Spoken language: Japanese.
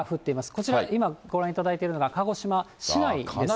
こちら、今、ご覧いただいているのが、鹿児島市内です。